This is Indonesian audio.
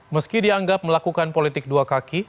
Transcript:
meski dianggap melakukan politik dua kaki